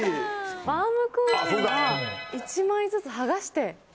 バウムクーヘンは１枚ずつはがして食べる？